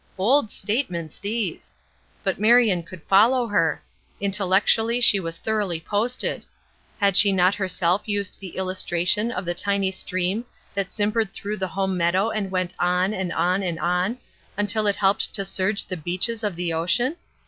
Bold statements these! But Marion could follow her. Intellectually she was thoroughly posted. Had she not herself used the illustration of the tiny stream that simpered through the home meadow and went on, and on, and on, until it helped to surge the beaches of the ocean?